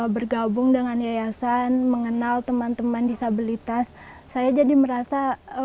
bergabung dengan yayasan mengenal teman teman disabilitas saya jadi merasa